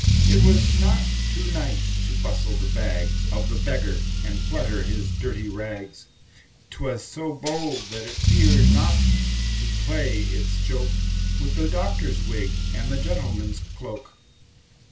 It was not too nice to bustle the bags Of the beggar, and flutter his dirty rags, 'T was so bold that it feared not to play its joke With the doctor's wig, and the gentleman's cloak.